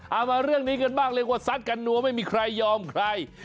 มาเรื่องนี้กันบ้างเรียกว่าซัดกันนัวไม่มีใครยอมใคร